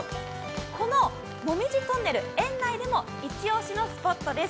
この紅葉トンネル、園内でもイチオシのスポットです。